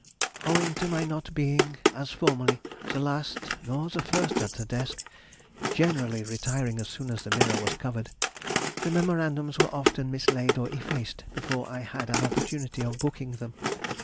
Owing to my not being, as formerly, the last nor the first at the desk (generally retiring as soon as the mirror was covered), the memorandums were often mislaid or effaced before I had an opportunity of booking them.